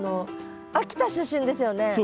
秋田出身ですよね？